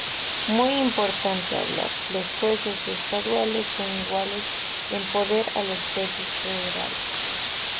Muy importante hablar: los jueces estaduales son iguales en poder a los jueces federales.